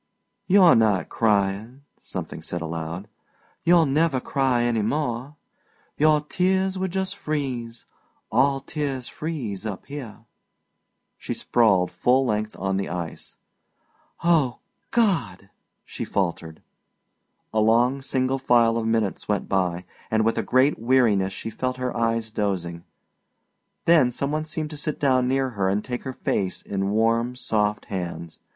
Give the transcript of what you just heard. "You're not crying," something said aloud. "You'll never cry any more. Your tears would just freeze; all tears freeze up here!" She sprawled full length on the ice. "Oh, God!" she faltered. A long single file of minutes went by, and with a great weariness she felt her eyes dosing. Then some one seemed to sit down near her and take her face in warm, soft hands.